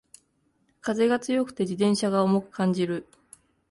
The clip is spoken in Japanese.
風が強くて自転車が重く感じる